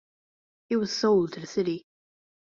It was sold to the city.